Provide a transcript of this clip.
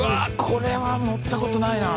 これは乗ったことないな。